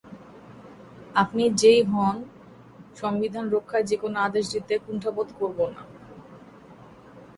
আপনি যেই হোন, সংবিধান রক্ষায় যেকোনো আদেশ দিতে কুণ্ঠাবোধ করব না।